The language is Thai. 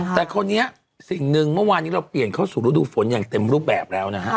แต่คราวนี้สิ่งหนึ่งเมื่อวานนี้เราเปลี่ยนเข้าสู่ฤดูฝนอย่างเต็มรูปแบบแล้วนะฮะ